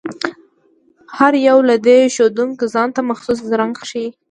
هر یو له دې ښودونکو ځانته مخصوص رنګ ښيي.